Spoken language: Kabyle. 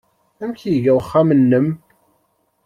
Amek iga uxxam-nnem?